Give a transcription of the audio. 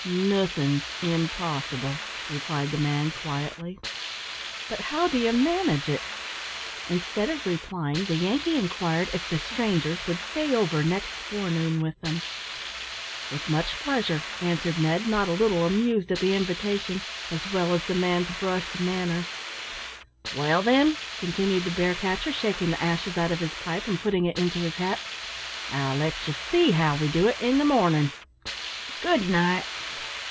"Nothin''s impossible," replied the man, quietly. "But how do you manage it?" Instead of replying, the Yankee inquired if "the strangers" would stay over next forenoon with them. "With much pleasure," answered Ned, not a little amused at the invitation, as well as the man's brusque manner. "Well, then," continued the bear catcher, shaking the ashes out of his pipe, and putting it into his hat, "I'll let ye see how we do it in the mornin'. Good night."